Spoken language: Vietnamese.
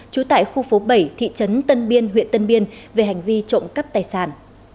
trú tại khu phố bảy thị trấn tân biên huyện tân biên về hành vi trộm cắp tài sản